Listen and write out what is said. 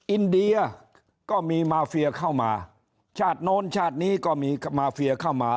อินเดียก็มีมาเฟียเข้ามาชาติโน้นชาตินี้ก็มีมาเฟียเข้ามา